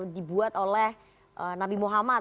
dibuat oleh nabi muhammad